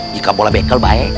jika boleh baik baik